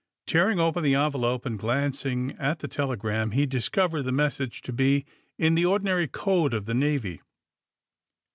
'' Tearing open the envelope and glancing at the telegram, he discovered the message to be in the ordinary code of the Navy.